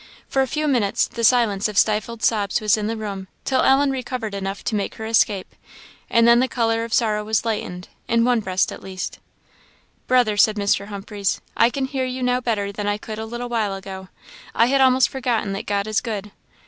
For a few minutes the silence of stifled sobs was in the room, till Ellen recovered enough to make her escape, and then the colour of sorrow was lightened, in one breast at least. "Brother," said Mr. Humphreys, "I can hear you now better than I could a little while ago. I had almost forgotten that God is good.